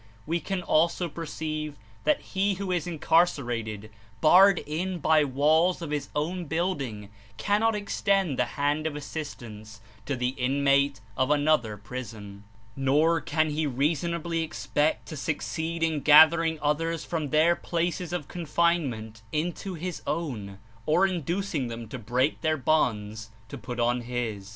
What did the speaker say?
We can also perceive that he who is Incarcerated, barred in by walls of his own building, cannot extend the hand of assistance to the inmate of another prison, nor can he reasonably expect to succeed In gathering others from their places of confinement into his own, or inducing them to break their bonds to put on his.